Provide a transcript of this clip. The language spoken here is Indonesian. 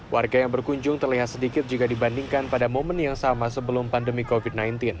warga yang berkunjung terlihat sedikit jika dibandingkan pada momen yang sama sebelum pandemi covid sembilan belas